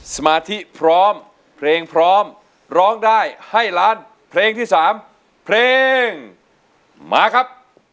สมาธิพร้อมเพลงพร้อมร้องได้ให้ล้านเพลงที่๓เพลงมาครับ